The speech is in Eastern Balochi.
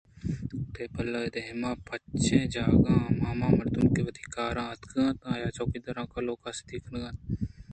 ٹیبل ءِ دیمءِ پچیں جاگہاں ہمامردم کہ وتی کاراں اتکگ اَنت یا چوکیدار ءُکلوہ ءُقاصدی ءَ کاینت